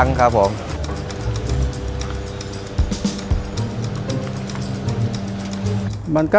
นี่ใส่กระป๋องนะครับ